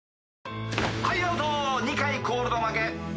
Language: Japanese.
二回コールド負け。